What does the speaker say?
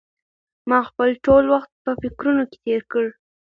ما خپل ټول وخت په فکرونو کې تېر کړ.